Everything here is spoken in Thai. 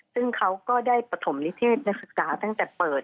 ซึ่งเขาก็ได้ปฐมนิเทศนักศึกษาตั้งแต่เปิด